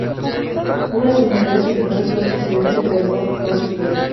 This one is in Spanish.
Uno de sus mayores seguidores fue presidente Theodore Roosevelt.